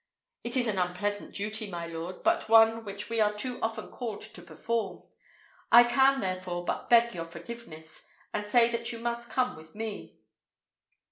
It is an unpleasant duty, my lord, but one which we are too often called to perform: I can, therefore, but beg your forgiveness, and say that you must come with me."